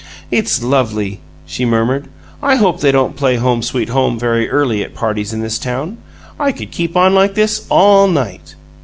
"It's lovely," she murmured. "I hope they don't play 'Home, Sweet Home' very early at parties in this town. I could keep on like this all night!"